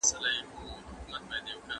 ايا علماء بايد د شومو تصميمونو مخه ونيسي؟